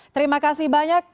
terima kasih banyak